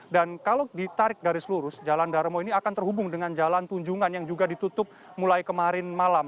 dan kalau ditarik garis lurus jalan darmo ini akan terhubung dengan jalan tunjungan yang juga ditutup mulai kemarin malam